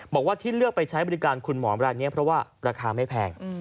บอกว่าที่เลือกไปใช้บริการคุณหมอรายนี้เพราะว่าราคาไม่แพง